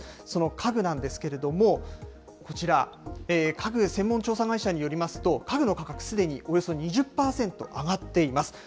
その家具なんですけれども、こちら、家具専門調査会社によりますと、家具の価格、すでにおよそ２０％上がっています。